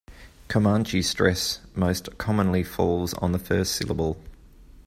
Comanche stress most commonly falls on the first syllable.